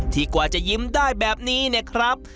กว่าจะยิ้มได้แบบนี้เนี่ยครับ